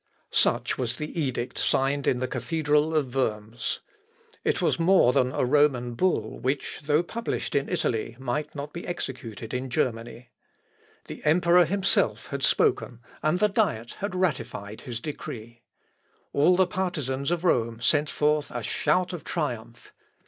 Such was the edict signed in the Cathedral of Worms. It was more than a Roman bull which, though published in Italy, might not be executed in Germany. The emperor himself had spoken, and the Diet had ratified his decree. All the partisans of Rome sent forth a shout of triumph.